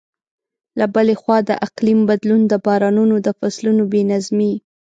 له بلې خوا، د اقلیم بدلون د بارانونو د فصلونو بې نظمۍ.